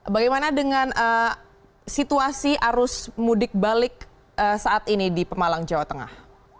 bagaimana dengan situasi arus mudik balik saat ini di pemalang jawa tengah